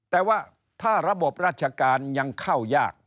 แต่ว่าถ้าระบบราชการยังเข้ายาก